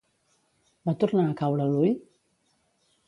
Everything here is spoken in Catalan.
Va tornar a caure l'ull?